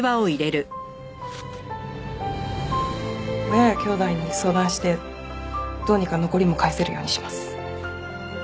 親やきょうだいに相談してどうにか残りも返せるようにします。